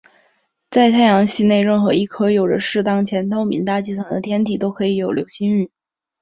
在太阳系内任何一颗有着适当且透明大气层的天体都可以有流星雨。